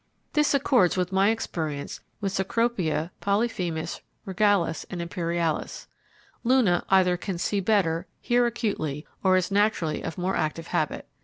This accords with my experience with Cecropia, Polyphemus, Regalis, and Imperialis. Luna either can see better, hear acutely, or is naturally of more active habit.